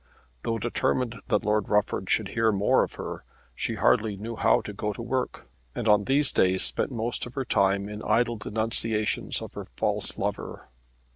Though determined that Lord Rufford should hear more of her, she hardly knew how to go to work, and on these days spent most of her time in idle denunciations of her false lover.